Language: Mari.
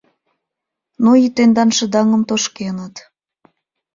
Ну, и тендан шыдаҥдам тошкеныт.